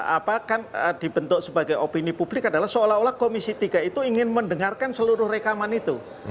apa kan dibentuk sebagai opini publik adalah seolah olah komisi tiga itu ingin mendengarkan seluruh rekaman itu